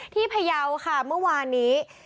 พยาวค่ะเมื่อวานนี้